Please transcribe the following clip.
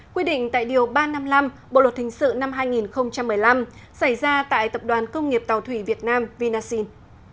quy định tại điều ba trăm năm mươi năm bộ luật hình sự năm hai nghìn một mươi năm xảy ra tại tập đoàn công nghiệp tàu thủy việt nam vinasin